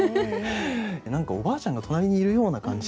何かおばあちゃんが隣にいるような感じ。